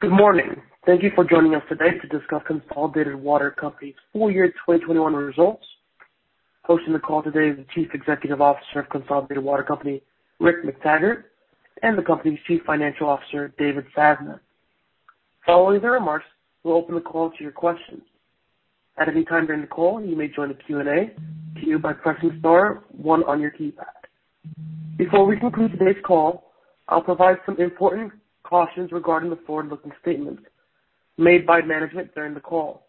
Good morning. Thank you for joining us today to discuss Consolidated Water Company's full year 2021 results. Hosting the call today is the Chief Executive Officer of Consolidated Water Company, Rick McTaggart, and the company's Chief Financial Officer, David Sasnett. Following their remarks, we'll open the call to your questions. At any time during the call, you may join the Q&A queue by pressing star one on your keypad. Before we conclude today's call, I'll provide some important cautions regarding the forward-looking statements made by management during the call.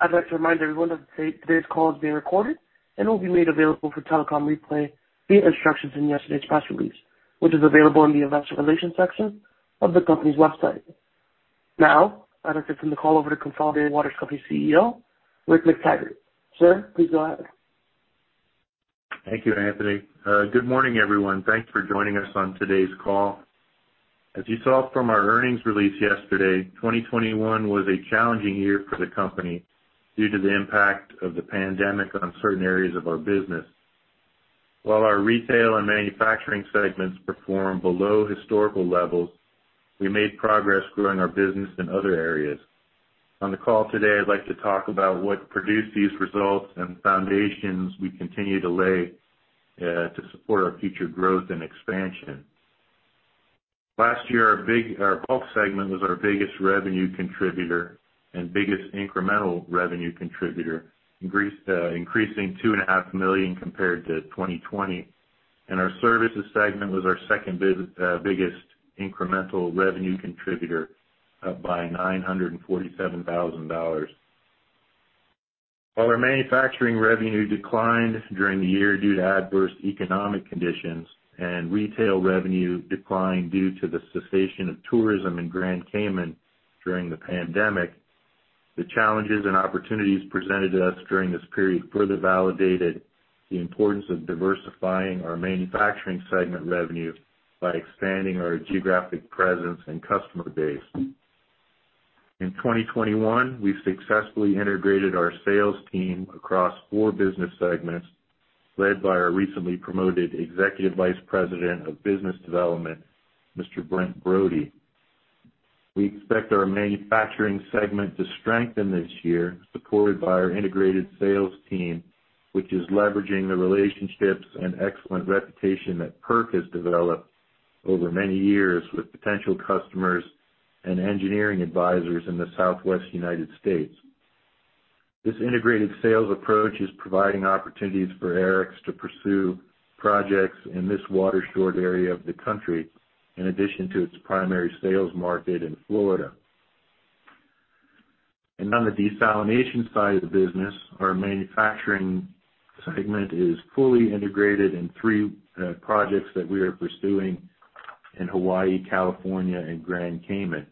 I'd like to remind everyone that today's call is being recorded and will be made available for telecom replay via instructions in yesterday's press release, which is available on the investor relations section of the company's website. Now I'd like to turn the call over to Consolidated Water Company CEO, Rick McTaggart. Sir, please go ahead. Thank you, Anthony. Good morning, everyone. Thanks for joining us on today's call. As you saw from our earnings release yesterday, 2021 was a challenging year for the company due to the impact of the pandemic on certain areas of our business. While our retail and manufacturing segments performed below historical levels, we made progress growing our business in other areas. On the call today, I'd like to talk about what produced these results and the foundations we continue to lay to support our future growth and expansion. Last year, our bulk segment was our biggest revenue contributor and biggest incremental revenue contributor, increasing $2.5 million compared to 2020. Our services segment was our second biggest incremental revenue contributor, up by $947,000. While our manufacturing revenue declined during the year due to adverse economic conditions and retail revenue declined due to the cessation of tourism in Grand Cayman during the pandemic, the challenges and opportunities presented to us during this period further validated the importance of diversifying our manufacturing segment revenue by expanding our geographic presence and customer base. In 2021, we successfully integrated our sales team across four business segments led by our recently promoted Executive Vice President of Business Development, Mr. Brent Brodie. We expect our manufacturing segment to strengthen this year, supported by our integrated sales team, which is leveraging the relationships and excellent reputation that PERC has developed over many years with potential customers and engineering advisors in the Southwest United States. This integrated sales approach is providing opportunities for Aerex to pursue projects in this water-short area of the country in addition to its primary sales market in Florida. On the desalination side of the business, our manufacturing segment is fully integrated in three projects that we are pursuing in Hawaii, California, and Grand Cayman.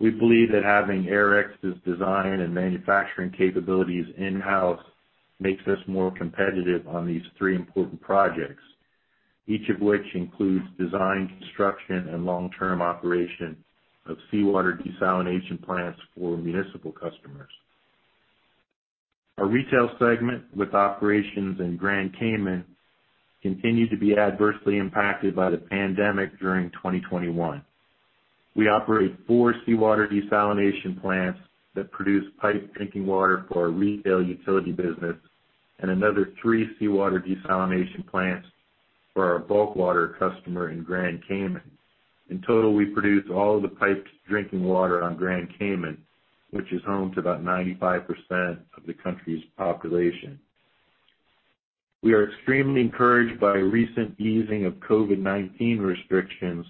We believe that having Aerex's design and manufacturing capabilities in-house makes us more competitive on these three important projects, each of which includes design, construction, and long-term operation of seawater desalination plants for municipal customers. Our retail segment, with operations in Grand Cayman, continued to be adversely impacted by the pandemic during 2021. We operate four seawater desalination plants that produce piped drinking water for our retail utility business and another three seawater desalination plants for our bulk water customer in Grand Cayman. In total, we produce all the piped drinking water on Grand Cayman, which is home to about 95% of the country's population. We are extremely encouraged by recent easing of COVID-19 restrictions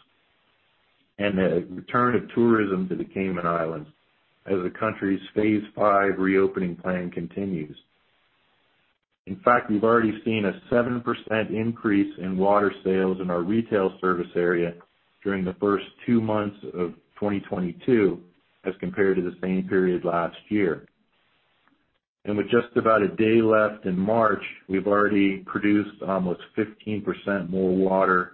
and the return of tourism to the Cayman Islands as the country's phase five reopening plan continues. In fact, we've already seen a 7% increase in water sales in our retail service area during the first two months of 2022 as compared to the same period last year. With just about a day left in March, we've already produced almost 15% more water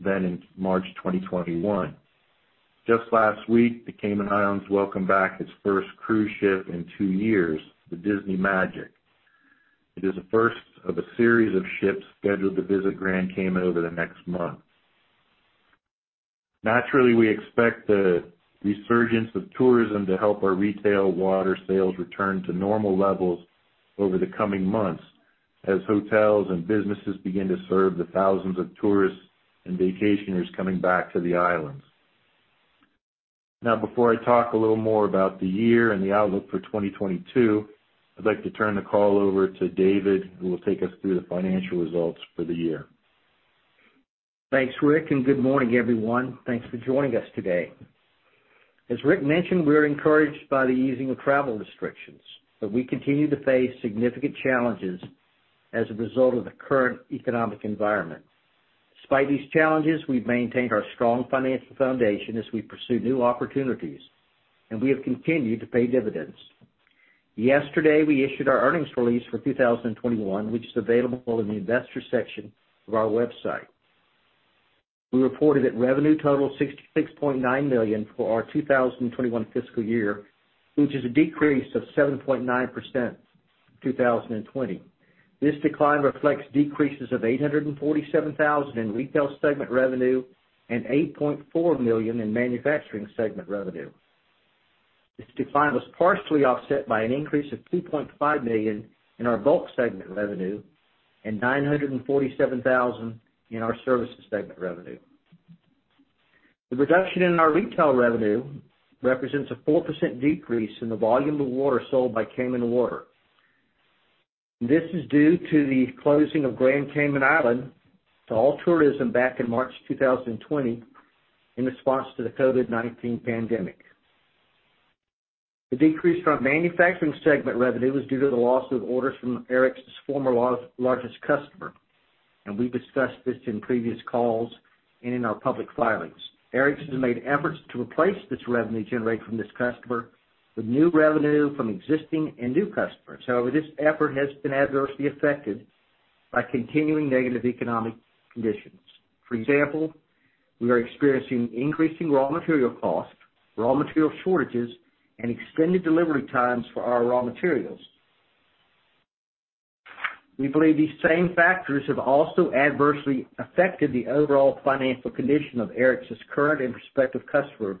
than in March 2021. Just last week, the Cayman Islands welcomed back its first cruise ship in two years, the Disney Magic. It is the first of a series of ships scheduled to visit Grand Cayman over the next month. Naturally, we expect the resurgence of tourism to help our retail water sales return to normal levels over the coming months as hotels and businesses begin to serve the thousands of tourists and vacationers coming back to the islands. Now, before I talk a little more about the year and the outlook for 2022, I'd like to turn the call over to David, who will take us through the financial results for the year. Thanks, Rick, and good morning, everyone. Thanks for joining us today. As Rick mentioned, we're encouraged by the easing of travel restrictions, but we continue to face significant challenges as a result of the current economic environment. Despite these challenges, we've maintained our strong financial foundation as we pursue new opportunities, and we have continued to pay dividends. Yesterday, we issued our earnings release for 2021, which is available in the Investors section of our website. We reported that revenue totaled $66.9 million for our 2021 fiscal year, which is a decrease of 7.9% from 2020. This decline reflects decreases of $847,000 in Retail segment revenue and $8.4 million in Manufacturing segment revenue. This decline was partially offset by an increase of $2.5 million in our bulk segment revenue and $947,000 in our services segment revenue. The reduction in our retail revenue represents a 4% decrease in the volume of water sold by Cayman Water. This is due to the closing of Grand Cayman to all tourism back in March 2020 in response to the COVID-19 pandemic. The decrease from manufacturing segment revenue was due to the loss of orders from Aerex's former largest customer, and we've discussed this in previous calls and in our public filings. Aerex has made efforts to replace this revenue generated from this customer with new revenue from existing and new customers. However, this effort has been adversely affected by continuing negative economic conditions. For example, we are experiencing increasing raw material costs, raw material shortages, and extended delivery times for our raw materials. We believe these same factors have also adversely affected the overall financial condition of Aerex's current and prospective customers.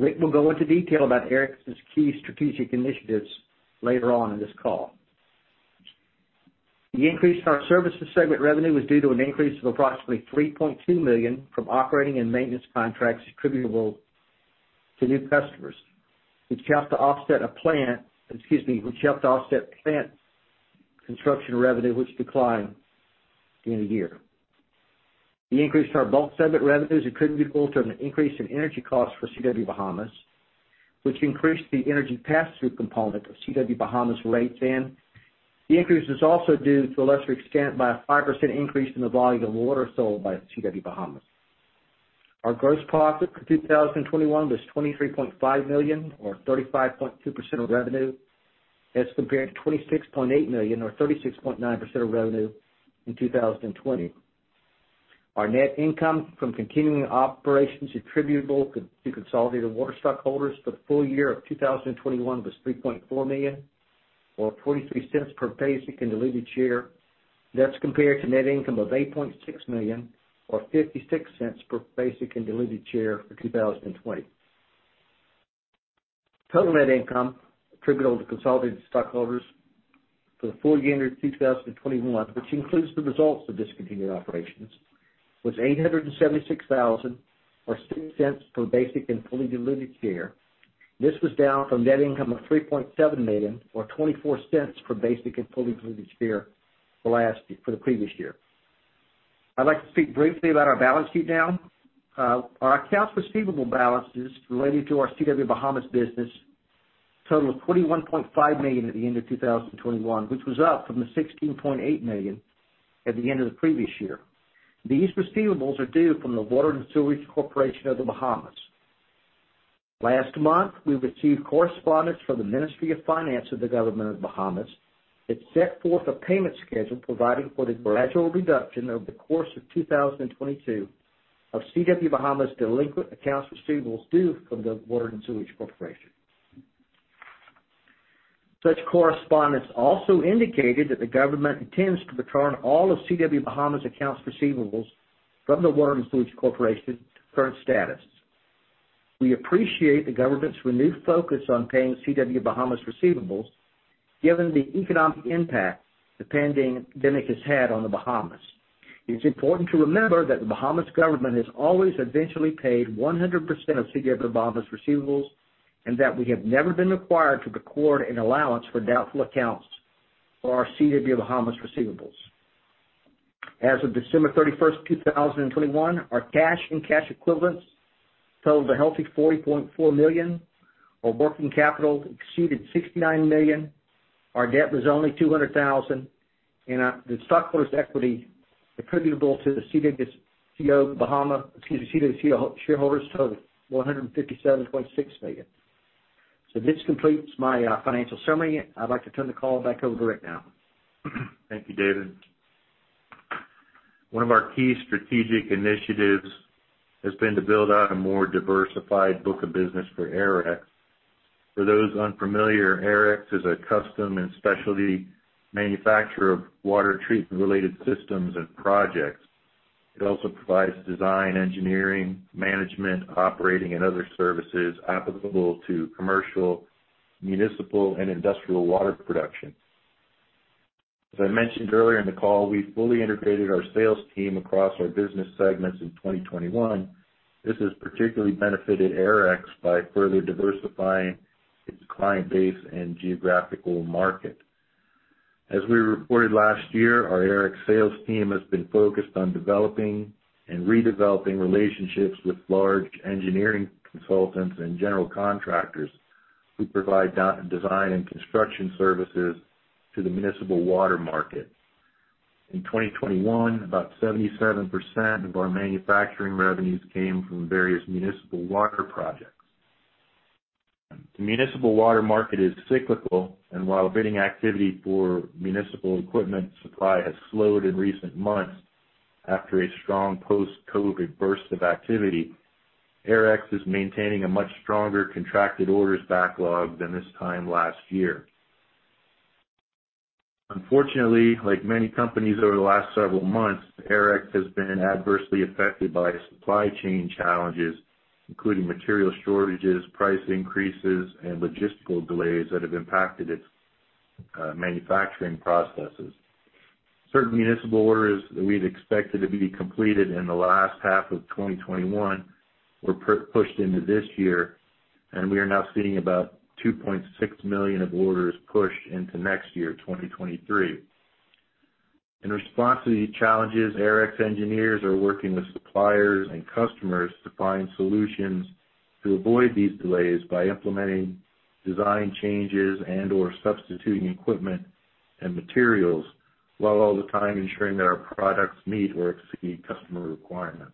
Rick will go into detail about Aerex's key strategic initiatives later on in this call. The increase in our Services segment revenue was due to an increase of approximately $3.2 million from operating and maintenance contracts attributable to new customers, which helped to offset plant construction revenue, which declined in the year. The increase to our Bulk segment revenues attributable to an increase in energy costs for CW Bahamas, which increased the energy pass-through component of CW Bahamas rates then. The increase was also due to a lesser extent by a 5% increase in the volume of water sold by CW Bahamas. Our gross profit for 2021 was $23.5 million or 35.2% of revenue. That's compared to $26.8 million or 36.9% of revenue in 2020. Our net income from continuing operations attributable to Consolidated Water stockholders for the full year of 2021 was $3.4 million or $0.43 per basic and diluted share. That's compared to net income of $8.6 million or $0.56 per basic and diluted share for 2020. Total net income attributable to consolidated stockholders for the full year of 2021, which includes the results of discontinued operations, was $876,000 or $0.06 per basic and fully diluted share. This was down from net income of $3.7 million or $0.24 per basic and fully diluted share for the previous year. I'd like to speak briefly about our balance sheet now. Our accounts receivable balances related to our CW Bahamas business total $41.5 million at the end of 2021, which was up from the $16.8 million at the end of the previous year. These receivables are due from the Water and Sewerage Corporation of The Bahamas. Last month, we received correspondence from the Ministry of Finance of the Government of The Bahamas that set forth a payment schedule providing for the gradual reduction over the course of 2022 of CW Bahamas' delinquent accounts receivables due from the Water and Sewerage Corporation. Such correspondence also indicated that the government intends to return all of CW Bahamas' accounts receivables from the Water and Sewerage Corporation to current status. We appreciate the government's renewed focus on paying CW Bahamas receivables, given the economic impact the pandemic has had on The Bahamas. It's important to remember that The Bahamas government has always eventually paid 100% of CW Bahamas' receivables, and that we have never been required to record an allowance for doubtful accounts for our CW Bahamas receivables. As of December 31st, 2021, our cash and cash equivalents totaled a healthy $40.4 million. Our working capital exceeded $69 million. Our debt was only $200,000. The stockholders' equity attributable to the CWCO shareholders totaled $157.6 million. This completes my financial summary. I'd like to turn the call back over to Rick now. Thank you, David. One of our key strategic initiatives has been to build out a more diversified book of business for Aerex. For those unfamiliar, Aerex is a custom and specialty manufacturer of water treatment-related systems and projects. It also provides design, engineering, management, operating, and other services applicable to commercial, municipal, and industrial water production. As I mentioned earlier in the call, we fully integrated our sales team across our business segments in 2021. This has particularly benefited Aerex by further diversifying its client base and geographical market. As we reported last year, our Aerex sales team has been focused on developing and redeveloping relationships with large engineering consultants and general contractors who provide design and construction services to the municipal water market. In 2021, about 77% of our manufacturing revenues came from various municipal water projects. The municipal water market is cyclical, and while bidding activity for municipal equipment supply has slowed in recent months after a strong post-COVID burst of activity. Aerex is maintaining a much stronger contracted orders backlog than this time last year. Unfortunately, like many companies over the last several months, Aerex has been adversely affected by supply chain challenges, including material shortages, price increases, and logistical delays that have impacted its manufacturing processes. Certain municipal orders that we had expected to be completed in the last half of 2021 were pushed into this year, and we are now seeing about $2.6 million of orders pushed into next year, 2023. In response to these challenges, Aerex engineers are working with suppliers and customers to find solutions to avoid these delays by implementing design changes and/or substituting equipment and materials while all the time ensuring that our products meet or exceed customer requirements.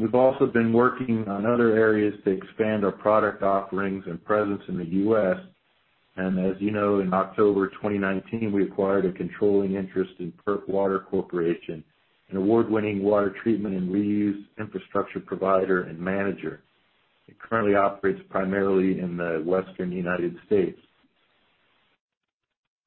We've also been working on other areas to expand our product offerings and presence in the U.S. As you know, in October 2019, we acquired a controlling interest in PERC Water Corporation, an award-winning water treatment and reuse infrastructure provider and manager. It currently operates primarily in the Western United States.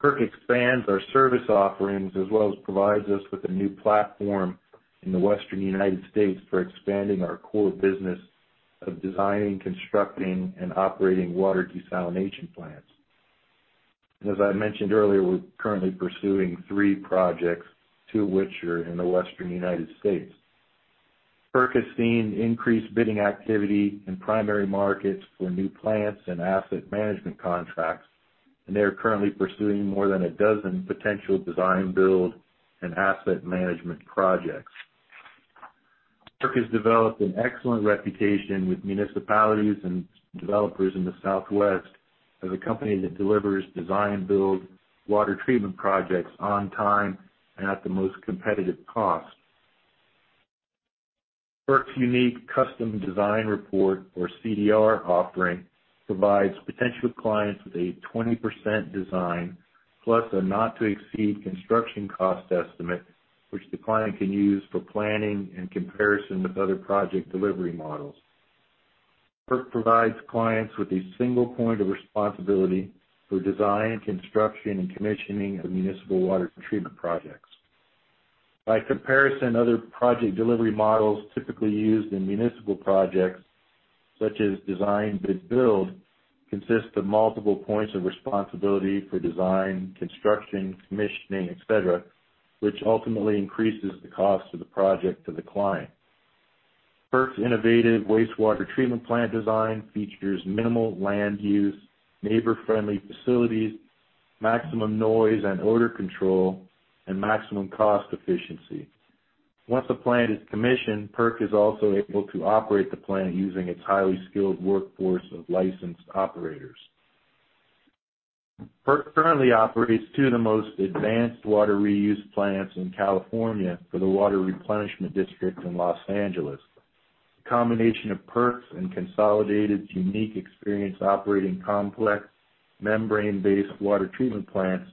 PERC expands our service offerings as well as provides us with a new platform in the Western United States for expanding our core business of designing, constructing, and operating water desalination plants. As I mentioned earlier, we're currently pursuing three projects, two of which are in the Western United States. PERC has seen increased bidding activity in primary markets for new plants and asset management contracts, and they are currently pursuing more than a dozen potential design, build, and asset management projects. PERC has developed an excellent reputation with municipalities and developers in the Southwest as a company that delivers design, build, water treatment projects on time and at the most competitive cost. PERC's unique custom design report or CDR offering provides potential clients with a 20% design plus a not-to-exceed construction cost estimate, which the client can use for planning and comparison with other project delivery models. PERC provides clients with a single point of responsibility for design, construction, and commissioning of municipal water treatment projects. By comparison, other project delivery models typically used in municipal projects, such as design-bid-build, consist of multiple points of responsibility for design, construction, commissioning, et cetera, which ultimately increases the cost of the project to the client. PERC's innovative wastewater treatment plant design features minimal land use, neighbor-friendly facilities, maximum noise and odor control, and maximum cost efficiency. Once a plant is commissioned, PERC is also able to operate the plant using its highly skilled workforce of licensed operators. PERC currently operates two of the most advanced water reuse plants in California for the Water Replenishment District in Los Angeles. The combination of PERC's and Consolidated unique experience operating complex membrane-based water treatment plants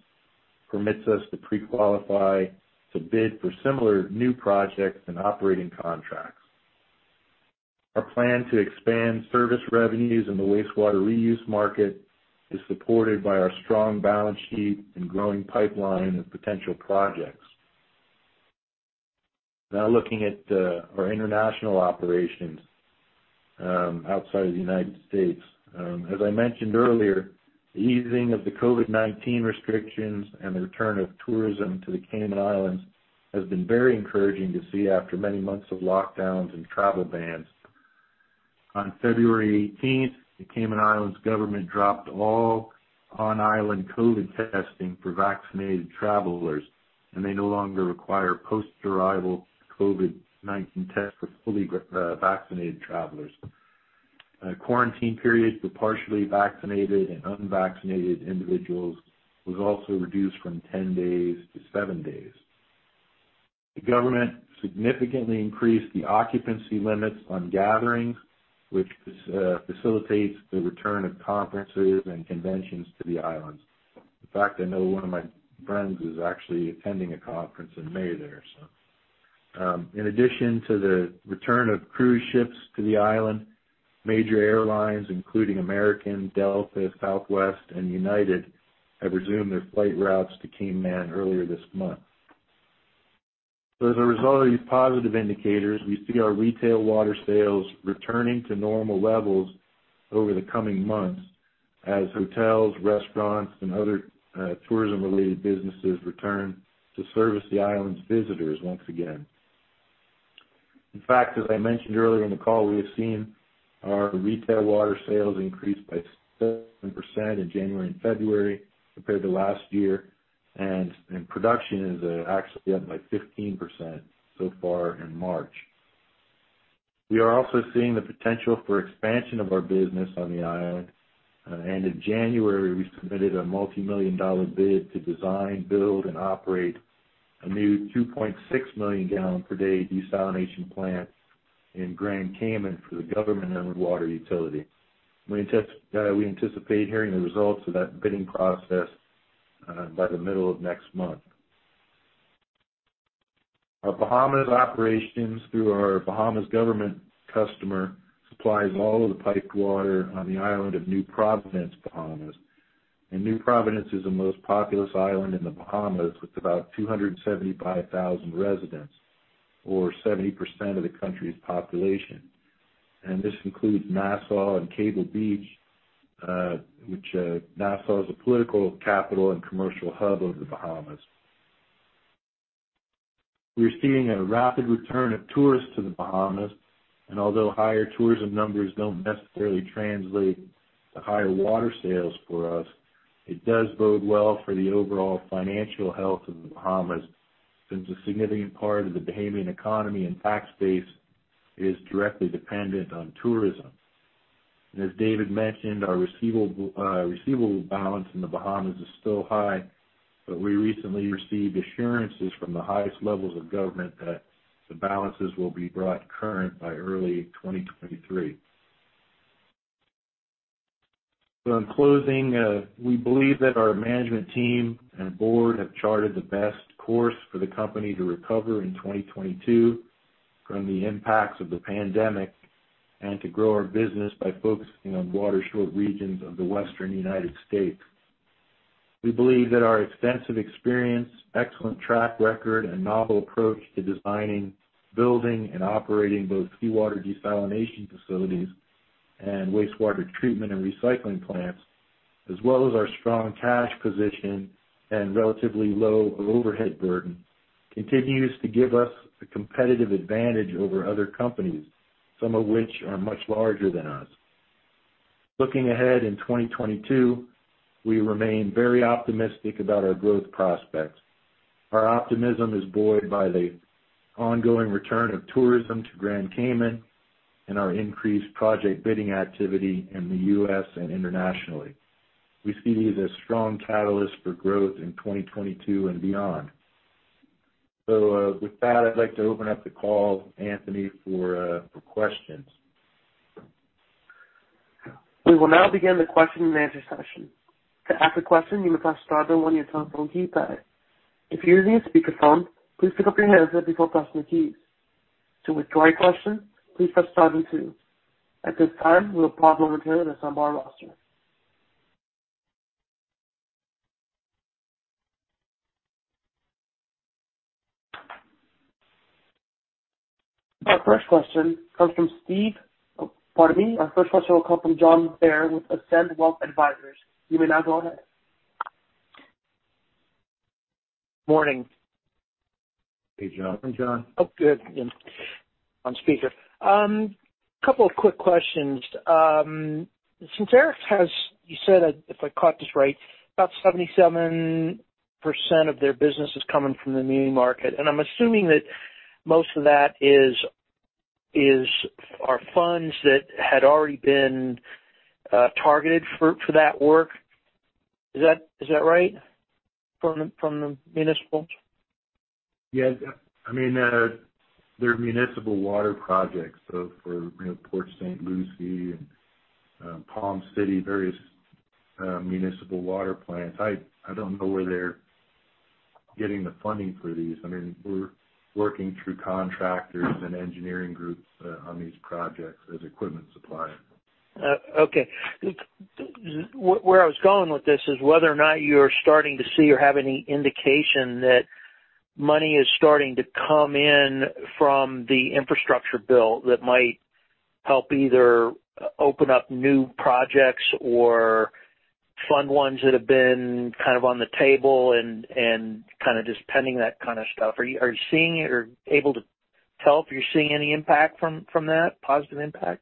permits us to pre-qualify to bid for similar new projects and operating contracts. Our plan to expand service revenues in the wastewater reuse market is supported by our strong balance sheet and growing pipeline of potential projects. Now looking at our international operations outside of the United States. As I mentioned earlier, the easing of the COVID-19 restrictions and the return of tourism to the Cayman Islands has been very encouraging to see after many months of lockdowns and travel bans. On February eighteenth, the Cayman Islands government dropped all on-island COVID testing for vaccinated travelers, and they no longer require post-arrival COVID-19 tests for fully vaccinated travelers. Quarantine periods for partially vaccinated and unvaccinated individuals was also reduced from 10 days to seven days. The government significantly increased the occupancy limits on gatherings, which facilitates the return of conferences and conventions to the islands. In fact, I know one of my friends is actually attending a conference in May there so. In addition to the return of cruise ships to the island, major airlines, including American, Delta, Southwest, and United, have resumed their flight routes to Cayman earlier this month. As a result of these positive indicators, we see our retail water sales returning to normal levels over the coming months as hotels, restaurants, and other, tourism-related businesses return to service the island's visitors once again. In fact, as I mentioned earlier in the call, we have seen our retail water sales increase by 7% in January and February compared to last year, and production is actually up by 15% so far in March. We are also seeing the potential for expansion of our business on the island. In January, we submitted a multimillion-dollar bid to design, build, and operate a new 2.6 million gallon per day desalination plant in Grand Cayman for the government-owned water utility. We anticipate hearing the results of that bidding process by the middle of next month. Our Bahamas operations through our Bahamas government customer supplies all of the piped water on the island of New Providence, Bahamas. New Providence is the most populous island in The Bahamas with about 275,000 residents, or 70% of the country's population. This includes Nassau and Cable Beach, which Nassau is the political capital and commercial hub of The Bahamas. We're seeing a rapid return of tourists to The Bahamas, and although higher tourism numbers don't necessarily translate to higher water sales for us, it does bode well for the overall financial health of The Bahamas, since a significant part of the Bahamian economy and tax base is directly dependent on tourism. As David mentioned, our receivable balance in The Bahamas is still high, but we recently received assurances from the highest levels of government that the balances will be brought current by early 2023. In closing, we believe that our management team and board have charted the best course for the company to recover in 2022 from the impacts of the pandemic and to grow our business by focusing on water-short regions of the Western United States. We believe that our extensive experience, excellent track record, and novel approach to designing, building, and operating both seawater desalination facilities and wastewater treatment and recycling plants, as well as our strong cash position and relatively low overhead burden, continues to give us a competitive advantage over other companies, some of which are much larger than us. Looking ahead in 2022, we remain very optimistic about our growth prospects. Our optimism is buoyed by the ongoing return of tourism to Grand Cayman and our increased project bidding activity in the U.S. and internationally. We see these as strong catalysts for growth in 2022 and beyond. With that, I'd like to open up the call, Anthony, for questions. We will now begin the question and answer session. To ask a question, you may press star, then one on your telephone keypad. If you're using a speakerphone, please pick up your handset before pressing the keys. To withdraw your question, please press star, then two. At this time, we will pause while we go through the seminar roster. Our first question will come from John Bair with Ascend Wealth Advisors. You may now go ahead. Morning. Hey, John. Hi, John. Yeah, on speaker. Couple of quick questions. You said, if I caught this right, about 77% of their business is coming from the muni market, and I'm assuming that most of that are funds that had already been targeted for that work. Is that right from the municipals? Yes. I mean, they're municipal water projects. For, you know, Port St. Lucie and Palm City, various municipal water plants. I don't know where they're getting the funding for these. I mean, we're working through contractors and engineering groups on these projects as equipment suppliers. Where I was going with this is whether or not you're starting to see or have any indication that money is starting to come in from the infrastructure bill that might help either open up new projects or fund ones that have been kind of on the table and kind of just pending that kind of stuff. Are you seeing or able to tell if you're seeing any impact from that, positive impact?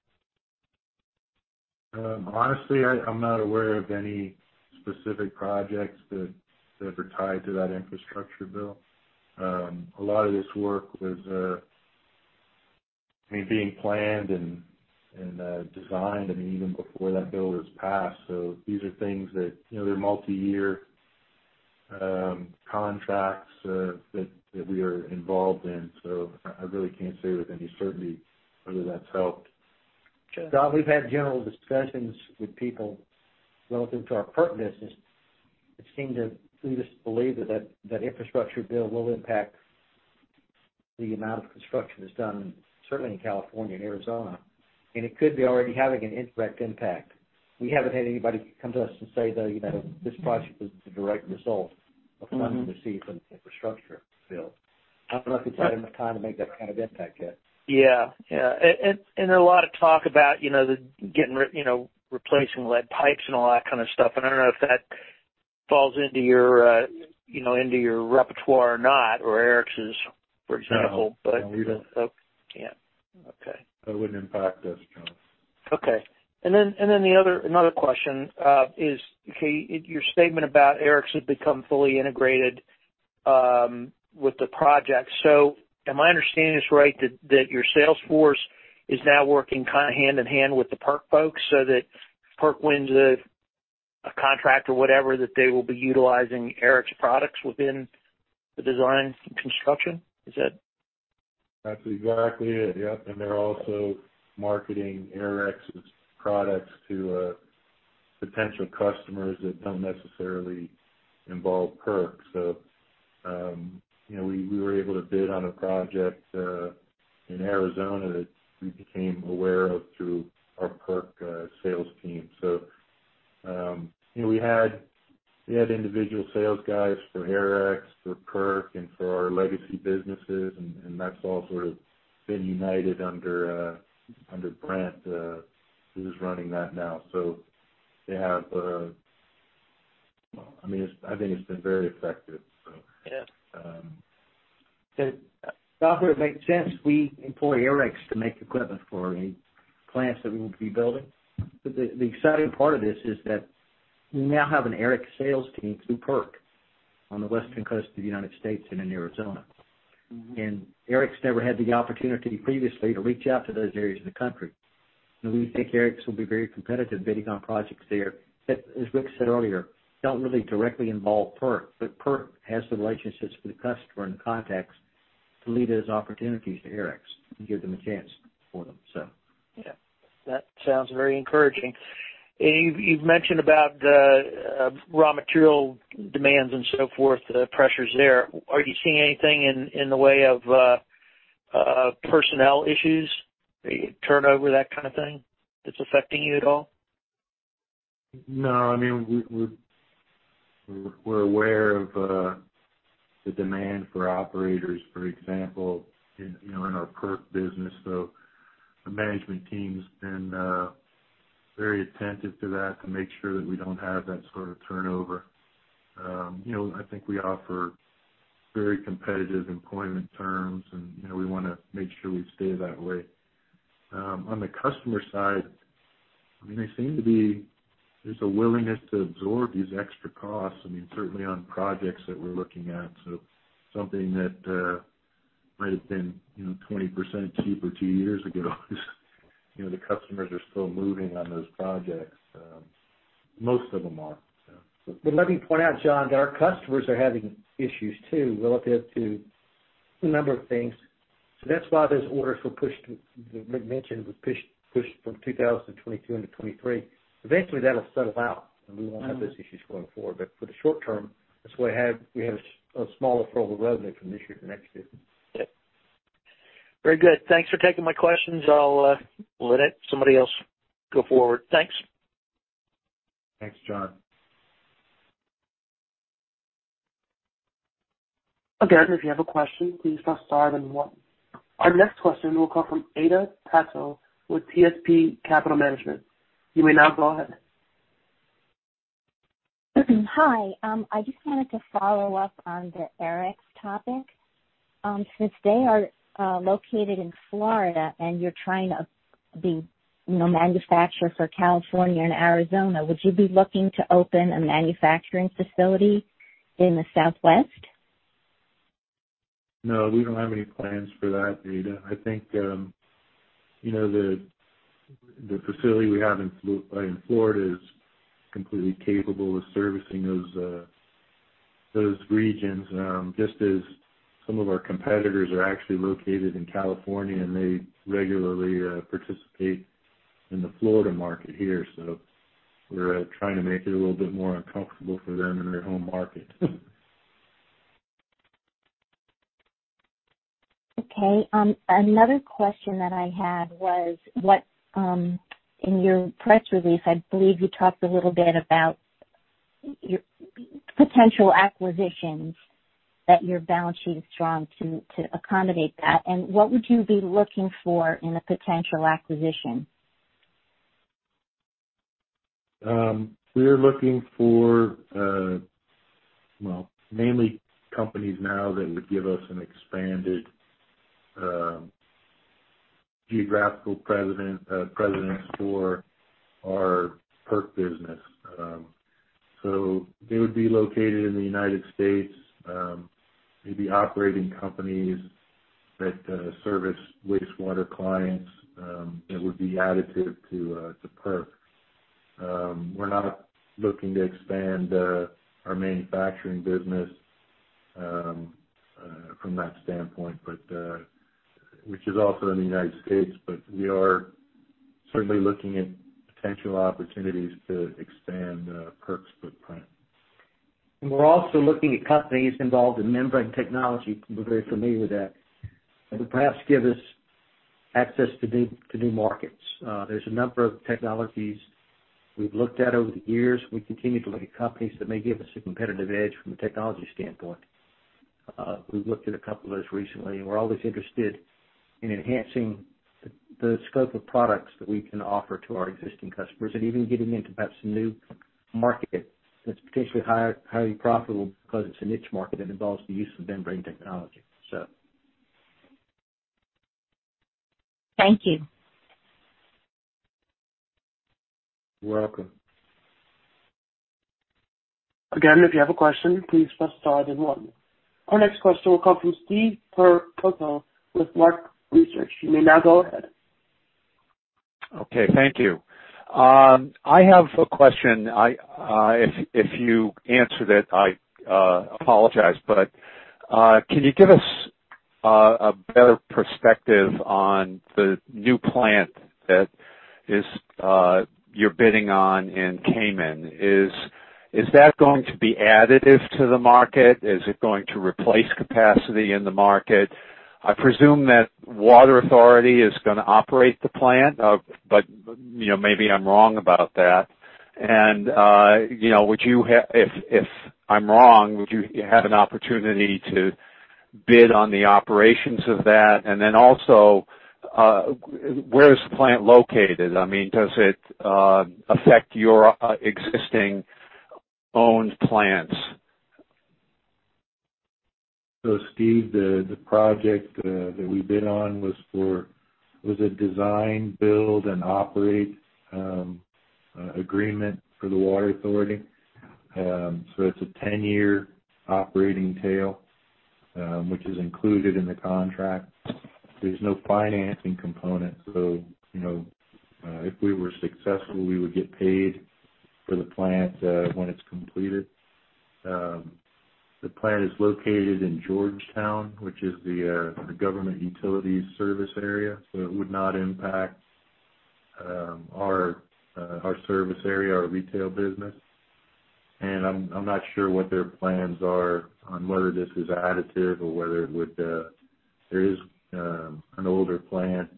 Honestly, I'm not aware of any specific projects that are tied to that infrastructure bill. A lot of this work was, I mean, being planned and designed, I mean, even before that bill was passed. These are things that, you know, they're multiyear contracts that we are involved in. I really can't say with any certainty whether that's helped. Okay. John, we've had general discussions with people relative to our PERC business that seem to lead us to believe that infrastructure bill will impact the amount of construction that's done, certainly in California and Arizona. It could be already having an indirect impact. We haven't had anybody come to us and say, though, you know, this project was the direct result of funds received from infrastructure bill. I don't know if it's had enough time to make that kind of impact yet. Yeah. Yeah. A lot of talk about, you know, replacing lead pipes and all that kind of stuff. I don't know if that falls into your repertoire or not, or Aerex's, for example. No. But- No. Okay. That wouldn't impact us, John. Okay. Another question is your statement about Aerex has become fully integrated with the project. So am I understanding this right that your sales force is now working kind of hand in hand with the PERC folks so that if PERC wins a contract or whatever, that they will be utilizing Aerex's products within the design and construction? Is that- That's exactly it. Yep. They're also marketing Aerex's products to potential customers that don't necessarily involve PERC. You know, we were able to bid on a project in Arizona that we became aware of through our PERC sales team. You know, we had individual sales guys for Aerex, for PERC, and for our legacy businesses, and that's all sort of been united under Brent, who's running that now. They have. I mean, I think it's been very effective, so. Yeah. Um. Not that it makes sense, we employ Aerex to make equipment for any plants that we would be building. The exciting part of this is that we now have an Aerex sales team through PERC on the western coast of the United States and in Arizona. Aerex never had the opportunity previously to reach out to those areas of the country. We think Aerex will be very competitive bidding on projects there, that, as Rick said earlier, don't really directly involve PERC, but PERC has the relationships with the customer and the contacts to lead those opportunities to Aerex and give them a chance for them, so. Yeah. That sounds very encouraging. You've mentioned about raw material demands and so forth, the pressures there. Are you seeing anything in the way of personnel issues? Turnover, that kind of thing, that's affecting you at all? No. I mean, we're aware of the demand for operators, for example, you know, in our PERC business. The management team's been very attentive to that to make sure that we don't have that sort of turnover. You know, I think we offer very competitive employment terms, and you know, we wanna make sure we stay that way. On the customer side, I mean, they seem to be. There's a willingness to absorb these extra costs. I mean, certainly on projects that we're looking at. Something that might have been 20% cheaper two years ago, you know, the customers are still moving on those projects. Most of them are, so. Let me point out, John, that our customers are having issues too, relative to a number of things. That's why those orders were pushed, Rick mentioned, from 2020-2022 into 2023. Eventually that'll settle out, and we won't have those issues going forward. For the short term, that's why we have a smaller funnel roadmap from this year to next year. Yeah. Very good. Thanks for taking my questions. I'll let somebody else go forward. Thanks. Thanks, John. Again, if you have a question, please press star then one. Our next question will come from Ada Casso with PSP Capital Management. You may now go ahead. Hi. I just wanted to follow up on the Aerex topic. Since they are located in Florida and you're trying to be manufacturer for California and Arizona, would you be looking to open a manufacturing facility in the Southwest? No, we don't have any plans for that, Ada. I think you know the facility we have in Florida is completely capable of servicing those regions, just as some of our competitors are actually located in California, and they regularly participate in the Florida market here. We're trying to make it a little bit more uncomfortable for them in their home market. Okay. Another question that I had was what, in your press release, I believe you talked a little bit about your potential acquisitions that your balance sheet is strong to accommodate that. What would you be looking for in a potential acquisition? We are looking for, well, mainly companies now that would give us an expanded geographical presence for our PERC business. They would be located in the United States, maybe operating companies that service wastewater clients that would be additive to PERC. We're not looking to expand our manufacturing business from that standpoint, but which is also in the United States. We are certainly looking at potential opportunities to expand PERC's footprint. We're also looking at companies involved in membrane technology. We're very familiar with that. That would perhaps give us access to new markets. There's a number of technologies we've looked at over the years. We continue to look at companies that may give us a competitive edge from a technology standpoint. We've looked at a couple of those recently, and we're always interested in enhancing the scope of products that we can offer to our existing customers and even getting into perhaps a new market that's potentially highly profitable because it's a niche market and involves the use of membrane technology. Thank you. You're welcome. Again, if you have a question, please press star then one. Our next question will come from Steve Percoco with Lark Research. You may now go ahead. Okay, thank you. I have a question. If you answered it, I apologize, but can you give us a better perspective on the new plant that you're bidding on in Cayman? Is that going to be additive to the market? Is it going to replace capacity in the market? I presume that Water Authority is gonna operate the plant. But you know, maybe I'm wrong about that. If I'm wrong, would you have an opportunity to bid on the operations of that? Then also, where is the plant located? I mean, does it affect your existing owned plants? Steve, the project that we bid on was a design, build, and operate agreement for the Water Authority. It's a 10-year operating tail, which is included in the contract. There's no financing component. If we were successful, we would get paid for the plant when it's completed. The plant is located in George Town, which is the government utilities service area. It would not impact our service area, our retail business. I'm not sure what their plans are on whether this is additive or whether it would. There is an older plant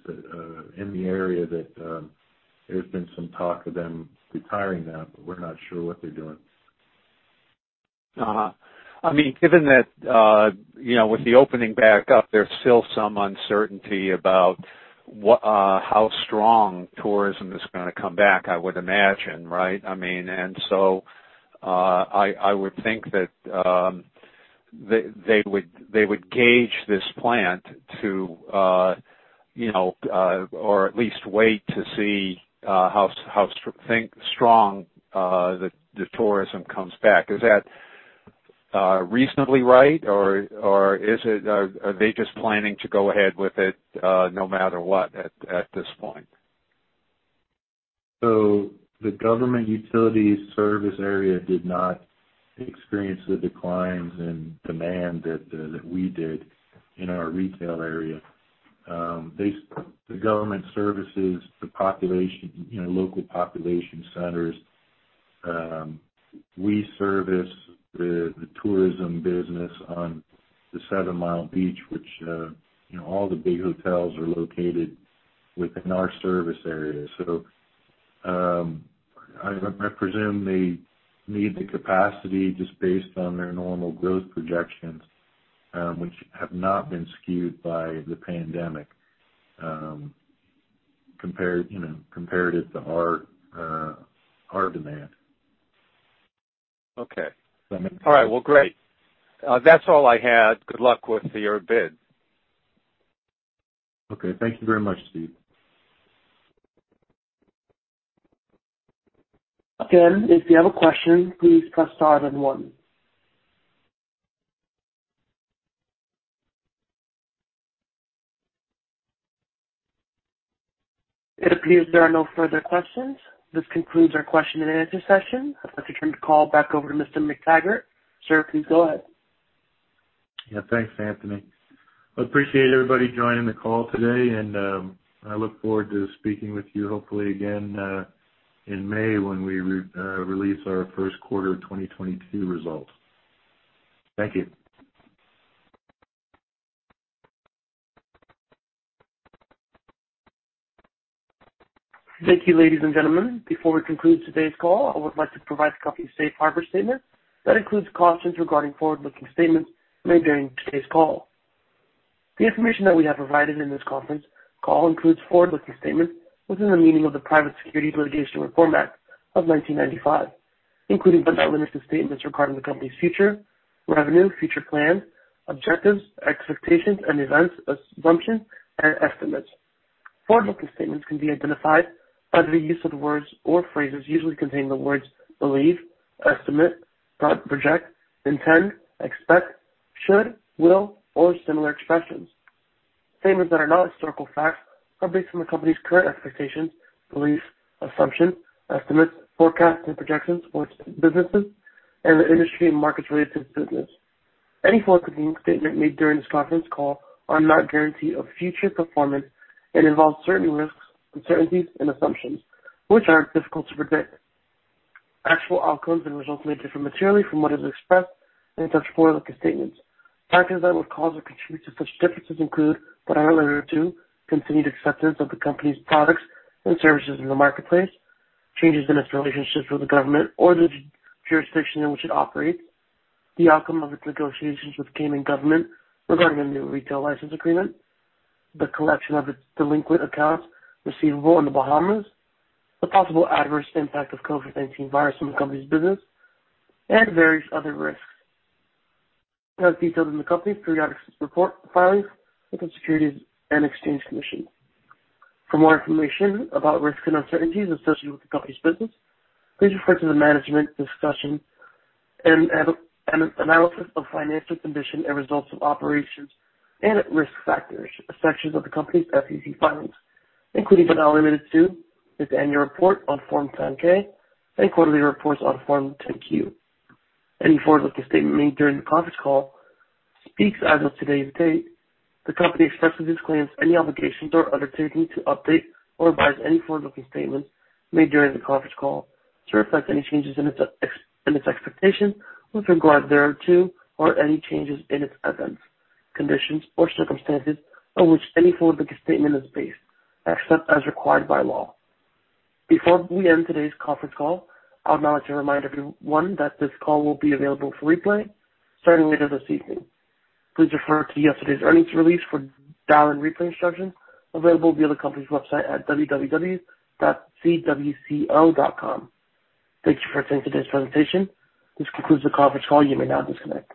in the area that there's been some talk of them retiring that, but we're not sure what they're doing. I mean, given that, you know, with the opening back up, there's still some uncertainty about how strong tourism is gonna come back, I would imagine, right? I would think that they would size this plant to or at least wait to see how strong the tourism comes back. Is that reasonably right? Or are they just planning to go ahead with it, no matter what at this point? The government utilities service area did not experience the declines in demand that we did in our retail area. They service the government services, the population, you know, local population centers. We service the tourism business on the Seven Mile Beach, which you know, all the big hotels are located within our service area. I presume they need the capacity just based on their normal growth projections, which have not been skewed by the pandemic, compared, you know, comparative to our demand. Okay. Does that make sense? All right. Well, great. That's all I had. Good luck with your bid. Okay. Thank you very much, Steve. Again, if you have a question, please press star then one. It appears there are no further questions. This concludes our question and answer session. I'd like to turn the call back over to Mr. McTaggart. Sir, please go ahead. Yeah. Thanks, Anthony. I appreciate everybody joining the call today, and I look forward to speaking with you hopefully again in May when we release our first quarter of 2022 results. Thank you. Thank you, ladies and gentlemen. Before we conclude today's call, I would like to provide a copy of safe harbor statement that includes cautions regarding forward-looking statements made during today's call. The information that we have provided in this conference call includes forward-looking statements within the meaning of the Private Securities Litigation Reform Act of 1995, including, but not limited to, statements regarding the company's future revenue, future plans, objectives, expectations and events, assumptions and estimates. Forward-looking statements can be identified by the use of words or phrases usually containing the words believe, estimate, project, intend, expect, should, will, or similar expressions. Statements that are not historical facts are based on the company's current expectations, beliefs, assumptions, estimates, forecasts and projections for its businesses and the industry and markets related to the business. Any forward-looking statement made during this conference call are not guarantee of future performance and involve certain risks, uncertainties and assumptions which are difficult to predict. Actual outcomes and results may differ materially from what is expressed in such forward-looking statements. Factors that would cause or contribute to such differences include, but are not limited to, continued acceptance of the company's products and services in the marketplace, changes in its relationships with the government or the jurisdiction in which it operates, the outcome of its negotiations with the Cayman government regarding a new retail license agreement, the collection of its delinquent accounts receivable in the Bahamas, the possible adverse impact of COVID-19 virus on the company's business, and various other risks as detailed in the company's periodic report filings with the Securities and Exchange Commission. For more information about risks and uncertainties associated with the company's business, please refer to the management discussion and analysis of financial condition and results of operations and risk factors sections of the company's SEC filings, including but not limited to, its annual report on Form 10-K and quarterly reports on Form 10-Q. Any forward-looking statement made during the conference call speaks as of today's date. The company expressly disclaims any obligation or undertaking to update or revise any forward-looking statement made during the conference call to reflect any changes in its expectations with regard thereto or any changes in its events, conditions or circumstances on which any forward-looking statement is based, except as required by law. Before we end today's conference call, I would now like to remind everyone that this call will be available for replay starting later this evening. Please refer to yesterday's earnings release for dial-in replay instructions available via the company's website at www.cwco.com. Thank you for attending today's presentation. This concludes the conference call. You may now disconnect.